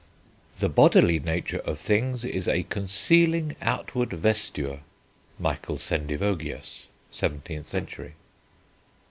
"The bodily nature of things is a concealing outward vesture." (Michael Sendivogius, 17th century.)